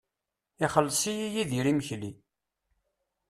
Ixelleṣ-iyi Yidir imekli.